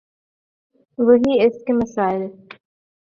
وہی اس کے مسائل۔